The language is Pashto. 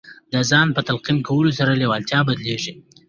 د ځان په تلقین کولو سره لېوالتیا بدلېږي